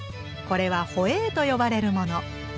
これは「ホエー」と呼ばれるもの。